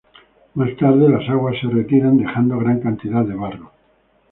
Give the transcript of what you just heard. Más tarde las aguas se retiran, dejando gran cantidad de barro.